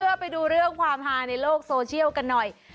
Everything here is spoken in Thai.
เพื่อไปดูเรื่องความฮาในโลกโซเชียลกันหน่อย